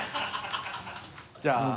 じゃあ。